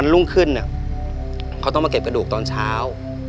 รุ่งขึ้นเขาต้องมาเก็บกระดูกตอนเช้า